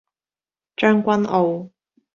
將軍澳